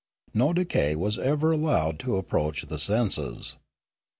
No decay was ever allowed to approach the senses.